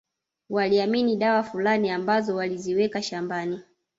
Waliamini dawa fulani ambazo waliziweka shambani